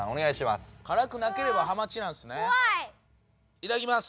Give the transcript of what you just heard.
いただきます！